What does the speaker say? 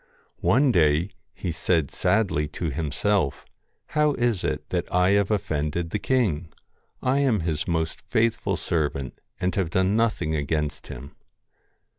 One day he said sadly to himself: ' How is it that I have offended the king ? I am his most faithful servant, and have done nothing against him.'